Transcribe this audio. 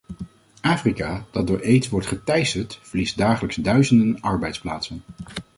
Afrika, dat door aids wordt geteisterd, verliest dagelijks duizenden arbeidsplaatsen.